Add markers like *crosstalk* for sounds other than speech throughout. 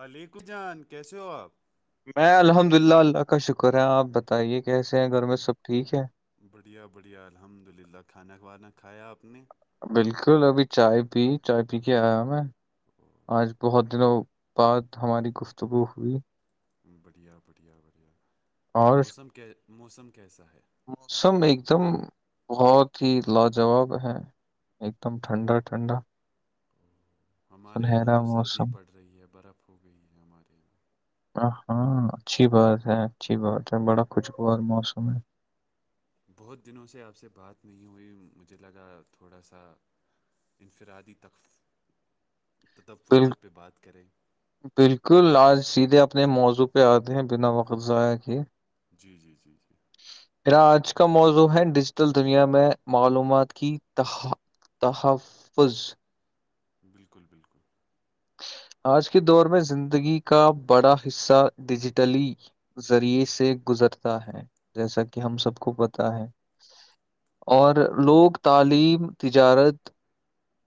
علیک جان کیسے ہو آپ میں الحمد ل اللہ اللہ کا شکر ہے آپ بتائیے کیسے ہیں گھر میں م، سب ٹھیک ہے بڑھیا بڑھیا الحمد للہ کھانا ک ووانا کھایا آپ نے بالکل ابھی چائے پی چائے پی کے آیا میں آج بہت دنوں بعد ہماری گفتگو ہوئی بڑھیا بڑھیا بڑھیا اور موسم موسم کیسا ہے موسم ایک دم بہت ہی لاجواب ہے ایک دم ٹھنڈا ٹھنڈا ہمارے یہاں سنہرا تو سردی موسم پڑ رہی ہے برف ہو گئی ہے ہمارے یہاں ہاں اچھی بات ہے اچھی بات ہے م، بڑا خوشگوار موسم ہے بہت دنوں سے آپ سے بات نہیں ہوئی مجھے لگا تھوڑا سا انفرادی ت بال تدفرات پہ بات کریں بالکل آج سیدھے اپنے موضوع پہ آتے ہیں بنا وقت ضائع کیے جی جی جی جی میرا آج کا موضوع ہے ڈیجیٹل دنیا میں معلومات کی ت تحفظ بالکل بالکل آج کے دور میں زندگی کا بڑا حصہ ڈیجیٹلی ذریعے سے گزرتا ہے جیسا کہ ہم سب کو پتا ہے اور لوگ تعلیم تجارت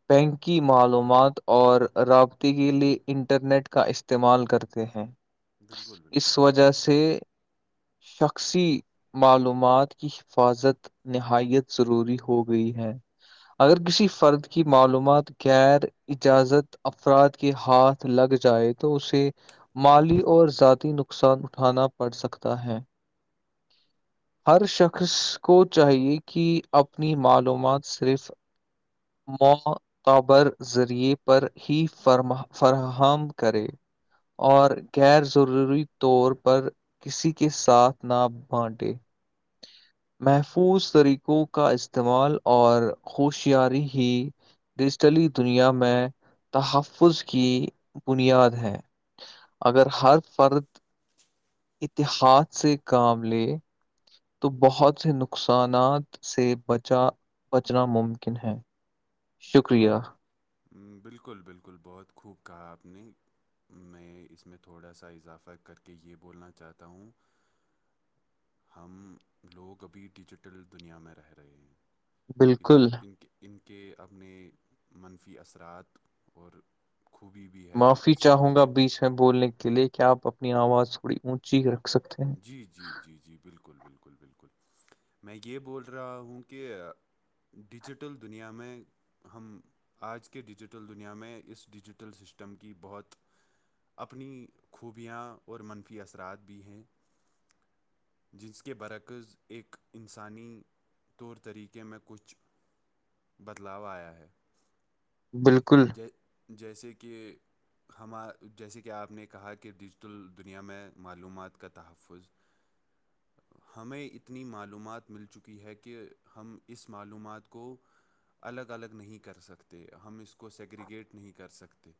بینکی معلومات اور رب کے لیے انٹرنیٹ کا استعمال کرتے ہیں بالکل بالکل اس وجہ سے شخص معلومات کی حفاظت نہایت ضروری ہو گئی ہے اگر کسی فرد کی معلومات غیر اجازت افراد کہ ہاتھ لگ جائے تو اسے مالی اور ذاتی نقصان اٹھانا پڑ سکتا ہے ہر شخص کو چاہیے کہ اپنی معلومات صرف م *unintelligible* *inaudible* قبر ذریعے پر ہی فر فراہم کرے اور غیر ضروری طور پر کسی کے ساتھ نہ بانٹے محفوظ طریقوں کا استعمال اور ہوشیاری ہی ڈیجیٹلی دنیا میں تحفظ کی بنیاد ہے اگر ہر فرد اتحاد سے کام لے تو بہت سے نقصانات سے بچا بچنا ممکن ہے شکریہ بالکل بالکل بہت خوب کہا آپ نے میں اس میں تھوڑا سا اضافہ کر کے یہ بولنا چاہتا ہوں ہم لوگ ابھی ڈیجیٹل دنیا میں رہ رہے ہیں اس بالکل ان کے ان کے اپنے منفی اثرات اور خوبی بھی ہے معافی اس چاہوں گا ڈیجی بیچ بولنے کے لیے کیا آپ اپنی آواز تھوڑی اونچی رکھ سکتے ہیں جی جی جی جی بالکل بالکل بالکل میں یہ بول رہا ہوں کہ ڈیجیٹل دنیا میں ہم آج کے ڈیجیٹل دنیا میں اس ڈیجیٹل سسٹم کی بہت اپنی خوبیاں اور منفی اثرات بھی ہیں جس کے برکز ایک انسانی طور طریقے میں کچھ بدلاؤ آیا ہے بالکل ج جیسے کہ ہم جیسے کہ آپ نے کہا کہ ڈیجیٹل دنیا میں معلومات کا تحفظ *inaudible* *unintelligible* ہمیں اتنی معلومات مل چکی ہے کہ ہم اس معلومات کو الگ الگ نہیں کر سکتے ہم اس کو سیگریگیٹ نہیں کر سکتے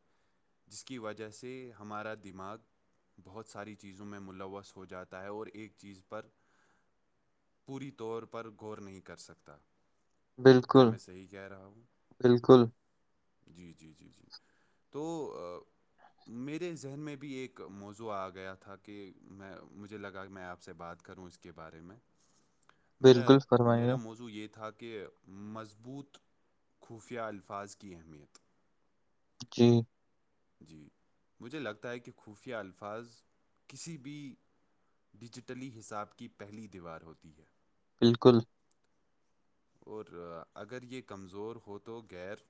جس کی وجہ سے ہمارا دماغ بہت ساری چیزوں میں ملوث ہو جاتا ہے اور ایک چیز پر پوری طور پر غور نہیں کر سکتا کیا بالکل میں صحیح کہہ رہا ہوں بالکل جی جی جی جی تو میرے ذہن میں بھی ایک موضوع آ گیا تھا کہ میں مجھے لگا میں آپ سے بات کروں اس کے کے بارے میں میرا بالکل فرمائیے میرا موضوع یہ تھا کہ مضبوط خفیہ الفاظ کے کی اہمیت جی جی مجھے لگتا ہے کہ خفیہ الفاظ کسی بھی ڈیجیٹلی حساب کی پہلی دیوار ہوتی ہے بالکل اور اگر یہ کمزور ہو تو غیر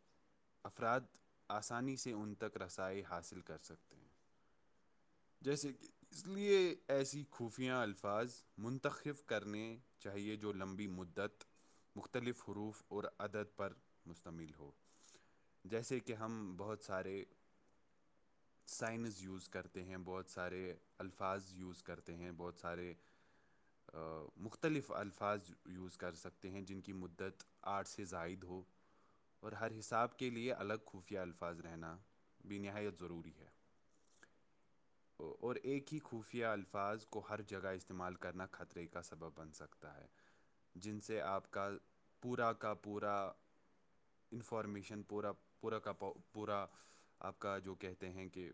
افراد آسانی سے ان تک رسائی حاصل کر سکتے ہیں جیسے کہ اس لیے ایسی خفیا الفاظ منتخب کرنے چاہیے جو لمبی مد دت مختلف حروف اور عدد پر مشتمل ہو جیسے کہ ہم بہت سارے سائنز یوز کرتے ہیں بہت سارے الفاظ یوز کرتے ہیں بہت سارے مختلف الفاظ یوز کر سکتے ہیں جن کی مدت آرٹ سے زائد ہو اور ہر حساب کے لیے الگ خفیہ الفاظ رہنا بھی نہایت ضروری ہے اور ایک ہی خفیہ الفاظ کو ہر جگہ استعمال کرنا خطرے کا سبب بن سکتا ہے جن سے آپ کا پورا کا پورا انفارمیشن پورا پورا کاپا پورا آپ کا جو کہتے ہیں کہ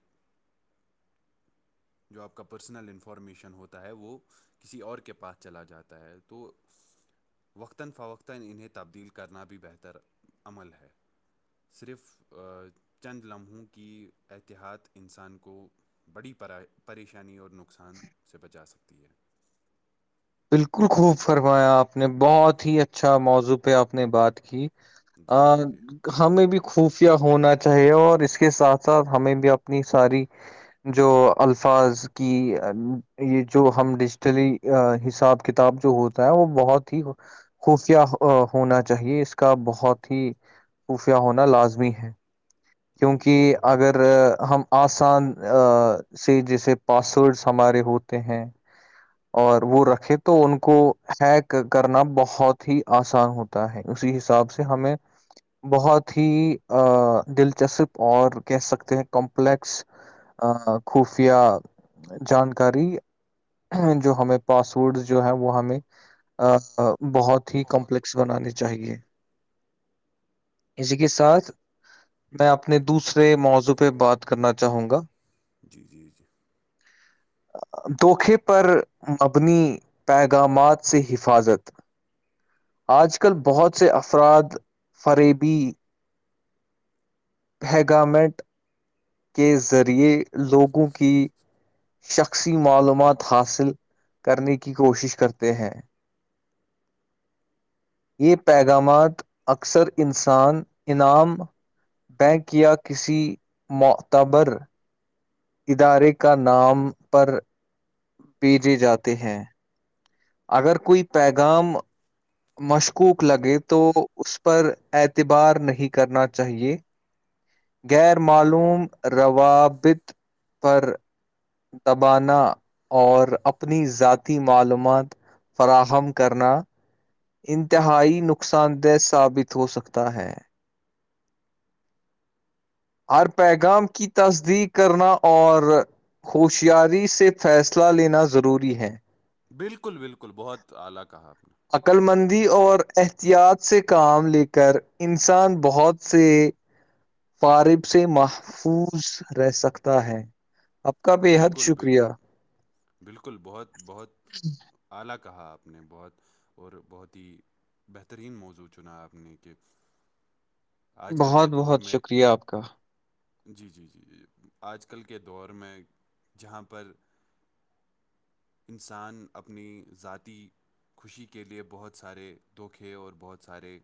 جو آپ کا پرسنل انفارمیشن ہوتا ہے وہ کسی اور کے پاس چلا جاتا ہے تو وقتا فوقتا انہیں تبدیل کرنا بھی بہتر عمل ہے صرف آ چند لمحوں کی احتیاط انسان کو بڑی پریشانی اور نق نقصان سے بچا سکتی ہے بالکل خوب فرمایا آپ نے بہت ہی اچھا موضوع پہ آپ نے بات کی ہ جی جی جی *unintelligible* ہمیں بھی خفیہ ہونا چاہیے اور اس کے ساتھ ساتھ ہمیں بھی اپنی ساری جو الفاظ کی یہ جو ہم ڈیجیٹلی حساب کتاب جو ہوتا ہے وہ بہت ہی خفیہ ہونا چاہیے اس کا بہت ہی خفیہ ہونا لازمی ہے جی جی کیونکہ جی اگر ہم آسان سے جیسے پاسورڈس ہمارے ہوتے ہیں اور وہ رکھے تو ان کو ہیک کرنا بہت ہی آسان ہوتا ہے اسی حساب سے ہمیں بہت ہی دل چسپ اور کہہ سکتے ہیں کمپلیکس خفیا جانکاری جو ہمیں پاسورڈز جو ہیں وہ ہمیں بہت ہی کمپلیکس بنانی چاہیے اسی کے ساتھ میں اپنے دوسرے موضوع پہ بات کرنا چاہوں گا جی جی جی دھکے پر مبنی پیغامات سے حفاظت آج کل بہت سے افراد فریبی ہیگامنٹ کے ذریعے لوگوں کی شخصی معلومات حاصل کرنے کی کوشش کرتے ہیں *inaudible* یہ پیغامات اکثر انسان انعام بینک یا کسی معتبر ادارے کا نام پر بھیجے جاتے ہیں اگر کوئی پیغام مشکوک لگے تو اس پر اعتبار نہیں کرنا چاہیے غیر معلوم روابط پر تبانا اور اپنی ذاتی معلومات فراہم کرنا *unintelligible* انتہائی نقصان دہ ثابت ہو سکتا ہے *unintelligible* ہر پیغام کی تصدیق کرنا اور ہوشیاری سے فیصلہ لینا ضروری ہے بالکل بالکل بہت اعلی کہا آپ نے *unintelligible* عقلمندی اور احتیاط سے کام لے کر انسان بہت سے فارب سے محفوظ رہ سکتا ہے اپ کا بے حد بالکل بالک شکریہ بالکل بہت بہت *unintelligible* *unintelligible* اور بہت ہی بہترین موضوع چنا آپ نے کہ آج کل کے بہت دور بہت میں شکریہ آپ کا جی جی جی جی آج کل کے دور میں جہاں پر انسان اپنی ذاتی خوشی کے لیے بہت سارے دھوکے اور بہت سارے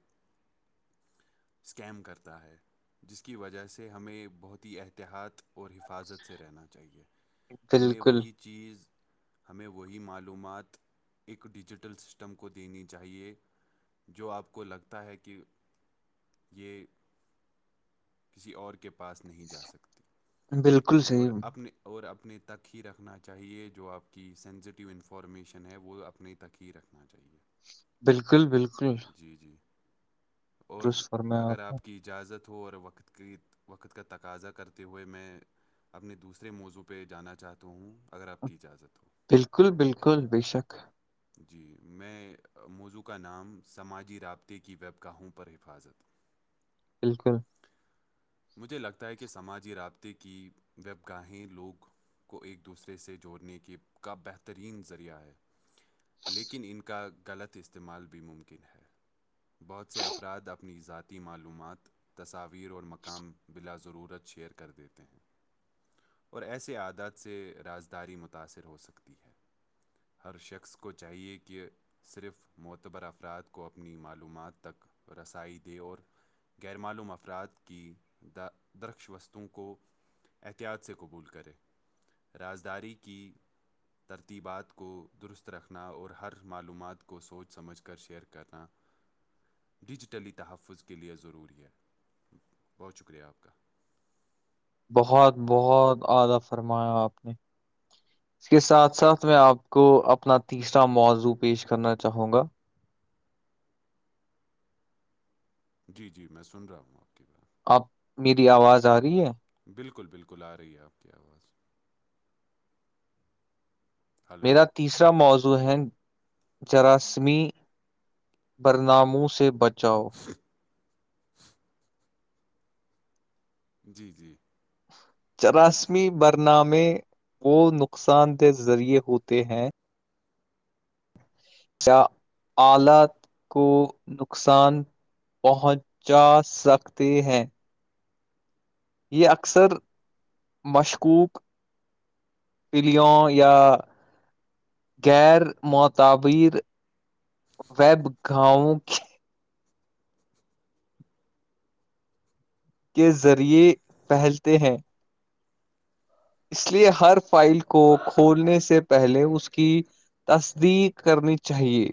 اسکیم کرتا ہے *unintelligible* جس کی وجہ سے ہمیں بہت ہی احتیاط اور حفاظت سے رہنا چاہیے ہمیں بالکل وہی چیز *unintelligible* ہمیں وہی معلومات ایک ڈیجیٹل سسٹم کو دینی چاہیے جو آپ کو لگتا ہے کہ یہ کسی اور کے پاس نہیں جا سکتی بالکل اور صحیح اپنے اور اپنے تک ہی رکھنا چاہیے جو آپ کی سینسیٹیو انفارمیشن ہے وہ اپنے *unintelligible* تک ہی رکھنا چاہیے *unintelligible* بالکل بالکل جی جی اور درست فرمایا اگر نے آپ کی *unintelligible* اجازت ہو اور وقت کی وقت کا تقاضا کرتے ہوئے میں اپنی *unintelligible* دوسرے موضوع پہ جانا چاہتا ہوں اگر آپ کی اجازت ہو بالکل بالکل بے شک *unintelligible* جی میں موضوع کا نام سماجی رابطے کی ویب کا ہوں پر حفاظت *inaudible* بالکل مجھے لگتا ہے کہ سماجی رابطے کی و *unintelligible* گاہیں لوگ کو ایک دوسرے سے جوڑنے کی کا بہترین ذریعہ ہے *unintelligible* لیکن ان کا غلط استعمال بھی ممکن ہے بہت سے افراد اپنی ذاتی ت معلومات تصاویر اور مقام بلا ضرورت شیئر کر دیتے ہیں *unintelligible* اور ایسے عادات سے رازداری متاثر ہو سکتی ہے *unintelligible* ہر شخص کو چاہیے کہ صرف معتبر افراد کو اپنی معلومات تک رسائی دے اور غیر معلوم افراد کی درخش وستو کو احتیاط سے قبول کرے رازداری کی ترتیبات کو درست رکھنا اور ہر معلومات کو سوچ سمجھ کر شیئر کرنا ڈیجیٹلی تحفظ کے لیئے ضروری ہے بہت شکریہ آپ کا بہت بہت آدا فرمایا آپ نے اس کے ساتھ ساتھ میں آپ کو اپنا تیسرا موضوع پیش کرنا چاہوں گا جی جی میں سن رہا ہوں آپ کی بات آپ میری آواز آ رہی ہے بالکل بالکل آ رہی ہے آپ کی آواز میرا ہلو تیسرا موضوع ہیں جراثمی برناموں سے بچ اچھ جی جی چراسمی برنامے کو نقصان دہ ذریعے ہوتے ہیں کیا آلات کو نقصان پہنچا سکتے ہیں یہ اکثر مشکوک پیلیوں یا غیر معتبیر ویب گااہوں کے کے ذریعے پہلتے ہیں اس لیے ہر فائل کو کھولنے سے پہلے اس کی تصدیق کرنی چاہیے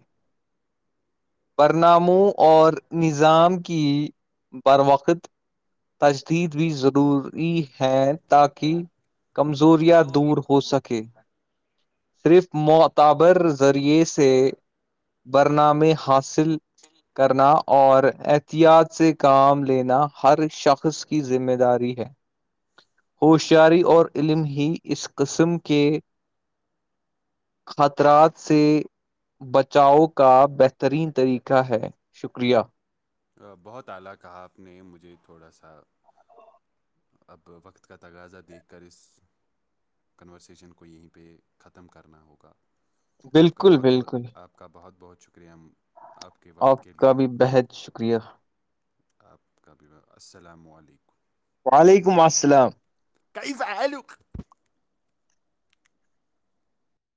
پرناموں اور نظام کی بروقت تجدید بھی ضروری ہے تاکہ کمزوریاں دور ہو سکے صرف معتبر ذریعے سے برنامے حاصل سل جی کرنا اور احتیاط سے کام لینا ہر شخص کی ذمہ داری ہے *inaudible* ہوشیاری اور علم ہی اس قسم کے خطرات سے بچاؤ کا بہتر ترین طریقہ ہے شکریہ بہت اعلی کہا آپ نے مجھے تھوڑا سا اب وقت کا تغاضا دیکھ کر اس کنورسشن کو یہیں پہ ختم کرنا ہوگا آپ کا بالکل بہت بہت بالکل آپ آپ کا بہت بہت شکریہ آپ کے وقت کے کا لیے بھی بےحد شکریہ آپ کا بھی السلام علیکم وعلیکم السلام کئیزہلق